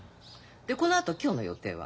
でこのあと今日の予定は？